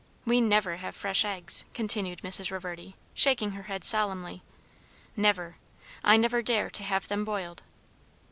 We never have fresh eggs," continued Mrs. Reverdy, shaking her head solemnly; "never. I never dare to have them boiled."